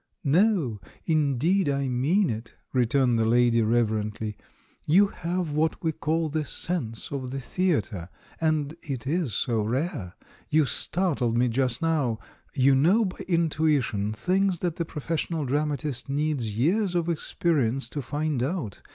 "No, indeed — I mean it," returned the lady reverently. "You have what we call the 'sense of the theatre.' And it is so rare! You startled me just now — you know by intuition things that the professional dramatist needs years of experi ence to find out.